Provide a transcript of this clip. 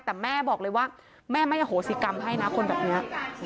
แต่แม่บอกเลยว่าแม่ไม่อโหสิกรรมให้นะคนแบบนี้